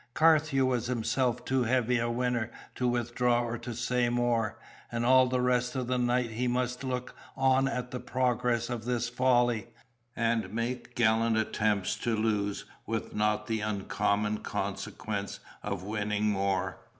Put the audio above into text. Carthew was himself too heavy a winner to withdraw or to say more; and all the rest of the night he must look on at the progress of this folly, and make gallant attempts to lose with the not uncommon consequence of winning more.